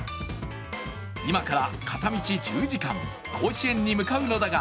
今から片道１０時間、甲子園に向かうのだが